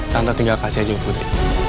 tanpa tinggal kasih aja putri